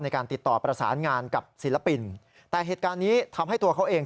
กับศิลปินแต่เหตุการณ์นี้ทำให้ตัวเขาเอง